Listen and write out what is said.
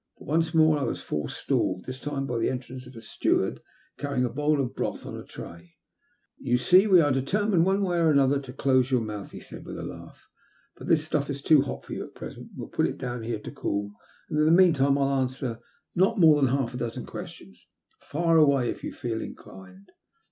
But once more I was forestalled, this time by the entrance of a steward carrying a bowl of broth on a tray. " You see we're determined, one way or another, to close your mouth," he said, i^ith a laugh. " But this stuff is too hot for you at present. We'll put it down here to cool, and in the meantime 1*11 answer not more than half a dozen questions. Fire away, if you feel inclined."